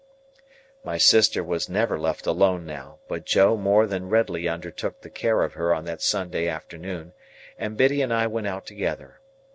My sister was never left alone now; but Joe more than readily undertook the care of her on that Sunday afternoon, and Biddy and I went out together.